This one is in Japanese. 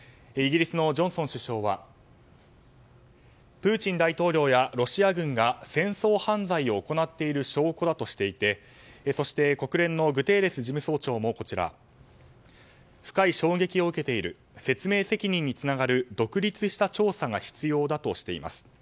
イギリスのジョンソン首相はプーチン大統領やロシア軍が戦争犯罪を行っている証拠だとしていてそして国連のグテーレス事務総長も深い衝撃を受けている説明責任につながる独立した調査が必要だとしています。